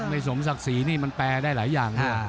สมศักดิ์ศรีนี่มันแปลได้หลายอย่าง